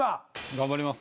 頑張ります